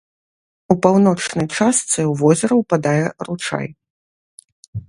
У паўночнай частцы ў возера ўпадае ручай.